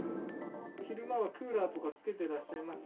昼間はクーラーとかつけてらっしゃいます？